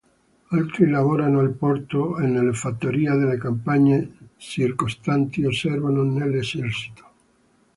Altri lavorano al porto o nelle fattorie delle campagne circostanti o servono nell'esercito.